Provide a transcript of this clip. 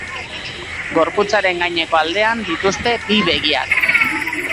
Gorputzaren gaineko aldean dituzte bi begiak.